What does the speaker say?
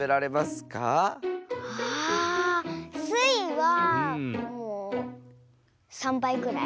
あっスイはもう３ばいぐらい。